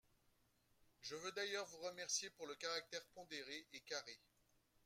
Je veux d’ailleurs vous remercier pour le caractère pondéré Et carré